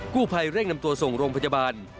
ผู้ภัยเร่งนำตัวส่งโรงพยาบาล